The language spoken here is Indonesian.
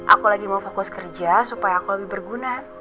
aku lagi mau fokus kerja supaya aku lebih berguna